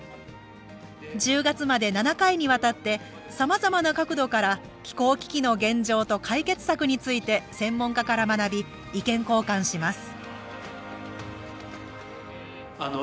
１０月まで７回にわたってさまざまな角度から気候危機の現状と解決策について専門家から学び意見交換します